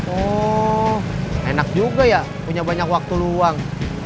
oh enak juga ya punya banyak waktu luang